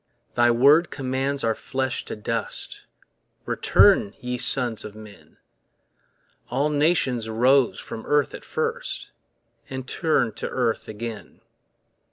Thy word commands our flesh to dust, Return, ye sons of men. All nations rose from earth at first, And turn to earth again.